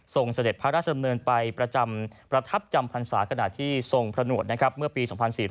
ส่งเสด็จพระราชดำเนินไปประทับจำพรรษากระหน่าที่ทรงพนวรเมื่อปี๒๔๙๙